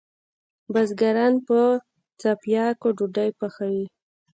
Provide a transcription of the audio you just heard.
بزګران په څپیاکو ډوډئ پخوی